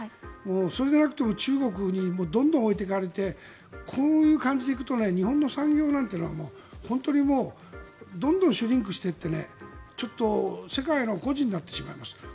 それでなくても中国にどんどん置いていかれてこの感じで行くと日本の産業なんかはどんどんシュリンクしていってちょっと世界の孤児になってしまいますから。